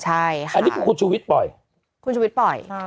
อันนี้เป็นคุณชูวิทป่อย